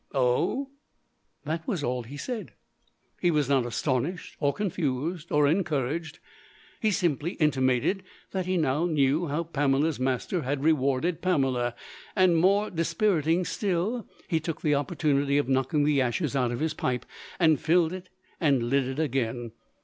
"Oh?" That was all he said. He was not astonished, or confused, or encouraged he simply intimated that he now knew how Pamela's master had rewarded Pamela. And, more dispiriting still, he took the opportunity of knocking the ashes out of his pipe, and filled it, and lit it again.